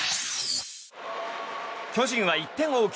巨人は１点を追う